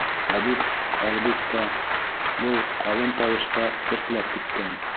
Табип, әлбиттә, был ҡалын тауышҡа тертләп киткән: